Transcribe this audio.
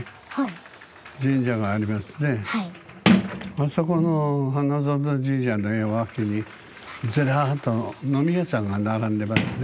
あそこの花園神社の脇にずらっと飲み屋さんが並んでますね。